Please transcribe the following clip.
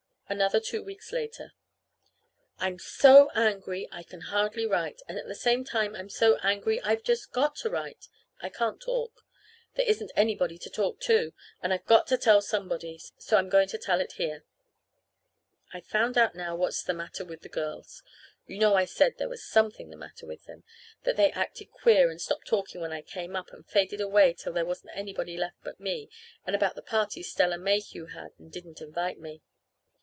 Another two weeks later. I'm so angry I can hardly write, and at the same time I'm so angry I've just got to write. I can't talk. There isn't anybody to talk to; and I've got to tell somebody. So I'm going to tell it here. I've found out now what's the matter with the girls you know I said there was something the matter with them; that they acted queer and stopped talking when I came up, and faded away till there wasn't anybody but me left; and about the party Stella Mayhew had and didn't invite me.